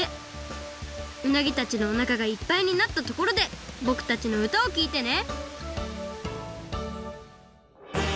うなぎたちのおなかがいっぱいになったところでぼくたちのうたをきいてね